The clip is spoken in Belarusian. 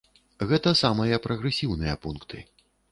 Гэта самыя прагрэсіўныя пункты.